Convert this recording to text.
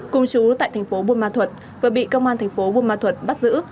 cùng chú tại thành phố buôn ma thuật vừa bị công an thành phố buôn ma thuật bắt giữ